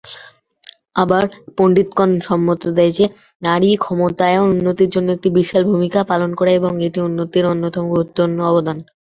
আবার, পণ্ডিতগণ সম্মত যে, নারী ক্ষমতায়ন উন্নতির জন্য একটি বিশাল ভূমিকা পালন করে এবং এটি উন্নতির অন্যতম গুরুত্বপূর্ণ অবদান।